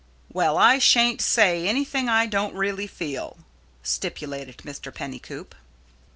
"Well, I sha'n't say anything I don't really feel," stipulated Mr. Pennycoop.